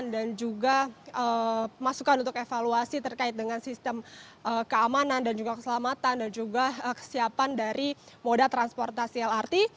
dan juga masukan untuk evaluasi terkait dengan sistem keamanan dan juga keselamatan dan juga kesiapan dari moda transportasi lrt